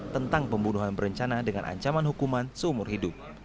tentang pembunuhan berencana dengan ancaman hukuman seumur hidup